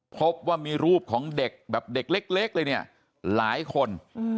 พบว่ามีรูปของเด็กแบบเด็กเล็กเลยเนี่ยหลายคน